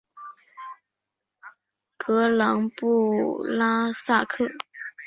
格朗布拉萨克。